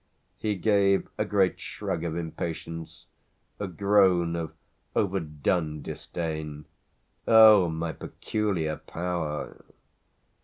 He gave a great shrug of impatience, a groan of overdone disdain. "Oh, my peculiar power!"